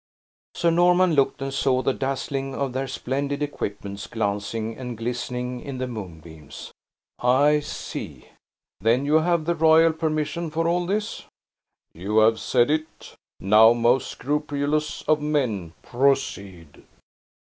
Sir Norman looked, and saw the dazzling of their splendid equipments glancing and glistening in the moonbeams. "I see. Then you have the royal permission for all this?" "You have said it. Now, most scrupulous of men, proceed!"